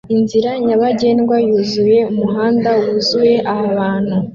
Inzira nyabagendwa yuzuye umuhanda wuzuye abantu